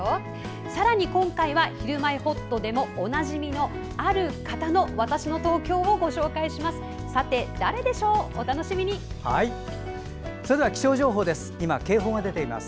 さらに今回は「ひるまえほっと」でもおなじみのある方の「＃わたしの東京」をご紹介します。